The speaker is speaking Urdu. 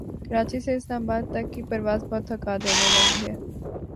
کراچی سے اسلام آباد تک کی پرواز بہت تھکا دینے والی ہے